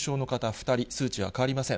２人、数値は変わりません。